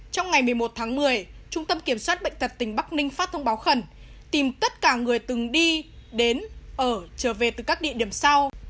trong ngày một mươi một tháng một mươi trung tâm kiểm soát bệnh tật tỉnh bắc ninh phát thông báo khẩn tìm tất cả người từng đi đến ở trở về từ các địa điểm sau